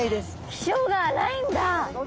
気性が荒いんだ！